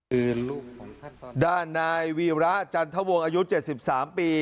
คือลูกของท่านด้านนายวีราชจันทวงอายุเจ็ดสิบสามปี